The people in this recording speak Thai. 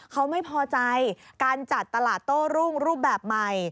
เขาไม่พอใจการจัดตลาดโต้รุ่งรูปแบบใหม่